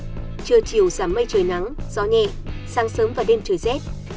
trưa chiều giảm mây trời nắng gió nhẹ sáng sớm và đêm trời rét